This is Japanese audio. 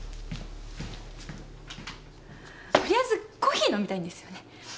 とりあえずコーヒー飲みたいんですよね？